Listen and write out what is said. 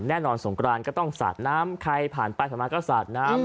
แน่นอนสงกรานก็ต้องสาดน้ำใครผ่านไปผ่านมาก็สาดน้ำ